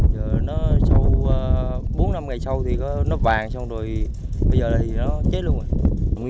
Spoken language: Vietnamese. giờ nó sau bốn năm ngày sau thì nó vàng xong rồi bây giờ thì nó chết luôn rồi